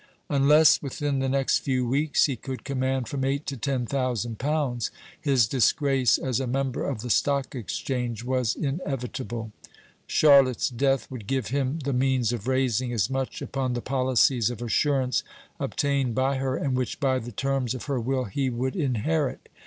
Unless within the next few weeks he could command from eight to ten thousand pounds, his disgrace as a member of the Stock Exchange was inevitable. Charlotte's death would give him the means of raising as much upon the policies of assurance obtained by her, and which, by the terms of her will, he would inherit.